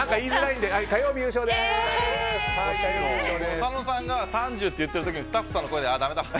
佐野さんが３０って言ってる時にスタッフさんの声でああ、だめだって。